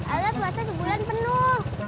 alia puasa sebulan penuh